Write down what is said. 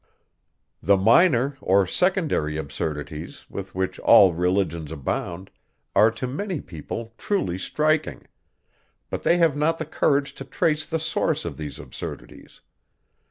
The minor, or secondary, absurdities, with which all religions abound, are to many people truly striking; but they have not the courage to trace the source of these absurdities.